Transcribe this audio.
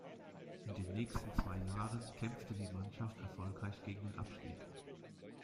In den nächsten zwei Jahren kämpfte die Mannschaft erfolgreich gegen den Abstieg.